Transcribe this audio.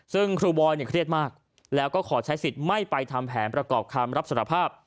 ซึ่งครูบอยเนี่ยเครียดมากแล้วก็ขอใช้สิทธิ์ไม่ไปทำแผนประกอบคำรับสารภาพ